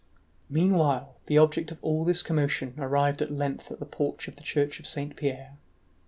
Meanwhile the object of all this commotion arrived at length at the porch of the church of Saint Pierre.